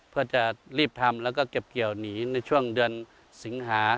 เพื่อจะรีบทำแล้วก็เก็บเกี่ยวหนีในช่วงเดือนสิงหา